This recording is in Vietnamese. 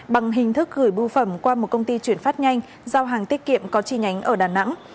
bằng hình thức gửi bưu phẩm qua một công ty chuyển phát nhanh giao hàng tiết kiệm có chi nhánh ở đà nẵng